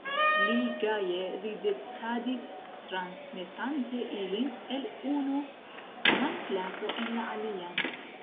Li gaje ridetadis, transmetante ilin el unu manplato en la alian.